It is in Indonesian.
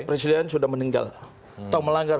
presiden sudah meninggal atau melanggar